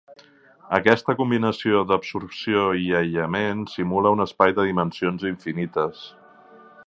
Aquesta combinació d'absorció i aïllament simula un espai de dimensions infinites.